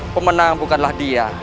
pemenang bukanlah dia